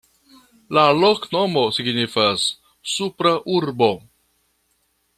La loknomo signifas: Supra Urbo.